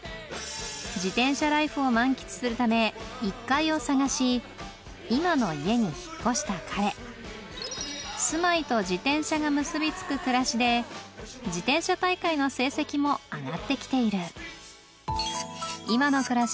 自転車ライフを満喫するため１階を探し今の家に引っ越した彼住まいと自転車が結びつく暮らしで自転車大会の成績も上がって来ている